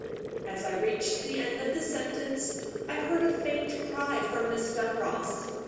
As I reached the end of the sentence, I heard a faint cry from Miss Dunross.